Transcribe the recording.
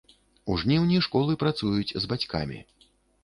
У жніўні школы працуюць з бацькамі.